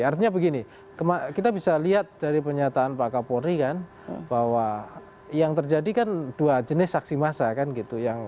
artinya begini kita bisa lihat dari pernyataan pak kapolri kan bahwa yang terjadi kan dua jenis saksi massa kan gitu